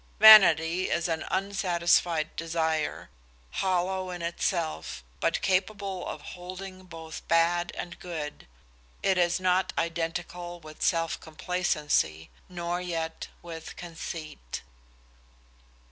Vanity is an unsatisfied desire, hollow in itself, but capable of holding both bad and good. It is not identical with self complacency, nor yet with conceit.